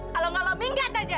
kalau nggak lo minggat aja